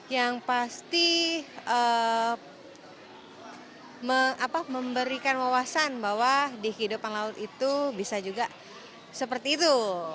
yang pasti memberikan wawasan bahwa di kehidupan laut itu bisa juga seperti itu